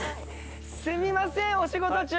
すみません、お仕事中。